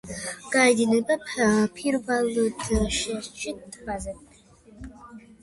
გაედინება ფირვალდშტეტის ტბაზე.